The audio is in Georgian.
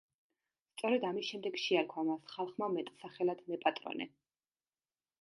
სწორედ ამის შემდეგ შეარქვა მას ხალხმა მეტსახელად „მეპატრონე“.